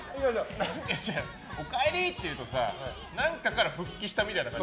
おかえりっていうとさ何かから復帰したみたいな。